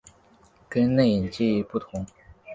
跟内隐记忆不同。